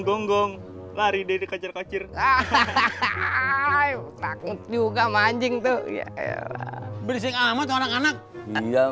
gonggong lari dari kacir kacir takut juga mancing tuh berisik amat anak anak